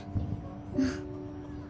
うん。